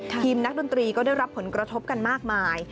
นักดนตรีก็ได้รับผลกระทบกันมากมาย